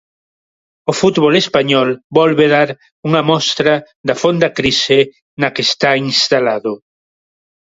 O fútbol español volve dar unha mostra da fonda crise na que está instalado.